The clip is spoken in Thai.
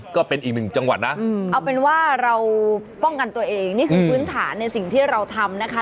ก็เป็นอีกหนึ่งจังหวัดนะเอาเป็นว่าเราป้องกันตัวเองนี่คือพื้นฐานในสิ่งที่เราทำนะคะ